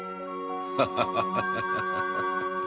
ハハハハハ。